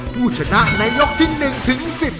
ผู้ชนะในยกที่๑ถึง๑๐